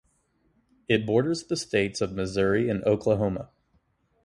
It borders the states of Missouri and Oklahoma.